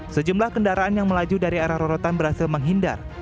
sejumlah kendaraan yang melaju dari arah rorotan berhasil menghindar